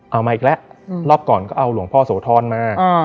มาอีกแล้วรอบก่อนก็เอาหลวงพ่อโสธรมา